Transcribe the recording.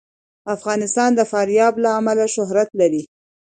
افغانستان د فاریاب له امله شهرت لري.